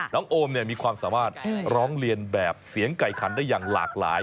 โอมมีความสามารถร้องเรียนแบบเสียงไก่ขันได้อย่างหลากหลาย